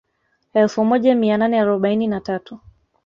Elfu moja mia nane arobaini na tatu